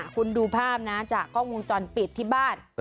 คุณดูภาพนะจากกล้องวงจรปิดที่บ้าน